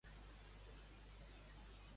Ell va arribar a amar-la?